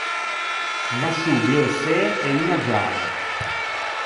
Unna sciô bleuçê e uña giana.